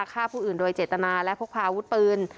ฆ่าผู้อื่นโดยเจตนาและพกพาอาวุธปืน